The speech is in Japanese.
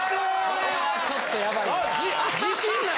・これはちょっとヤバいよな